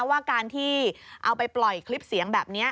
ว่าการที่เอาไปปล่อยคลิปเสียงแบบนี้